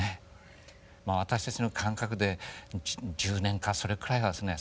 私たちの感覚で１０年かそれくらいはですね